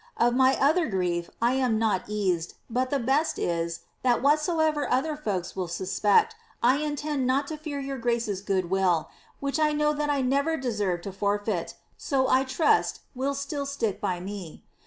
^ Of my other grief I am not eased, but the best is, that whatsoever other folks will suspect, 1 intend not to fear your grace's good will, which as I know that I never deserved to for fint, so I trust will still stick by me.